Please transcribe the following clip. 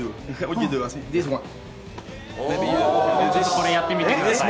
これ、やってみてください。